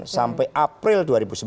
sampai april dua ribu sembilan belas